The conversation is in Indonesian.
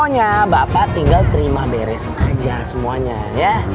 pokoknya bapak tinggal terima beres aja semuanya ya